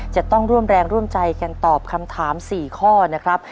จะต้องร่วมแรงร่วมใจกันตอบคำถาม๔ข้อนะครับ